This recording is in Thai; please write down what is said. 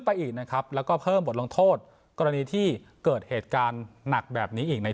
ไปอีกนะครับแล้วก็เพิ่มบทลงโทษกรณีที่เกิดเหตุการณ์หนักแบบนี้อีกใน